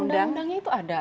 undang undangnya itu ada